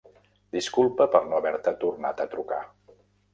Disculpa per no haver-te tornat a trucar.